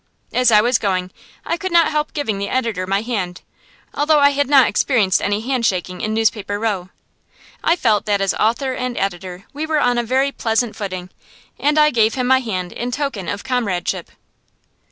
As I was going, I could not help giving the editor my hand, although I had not experienced any handshaking in Newspaper Row. I felt that as author and editor we were on a very pleasant footing, and I gave him my hand in token of comradeship.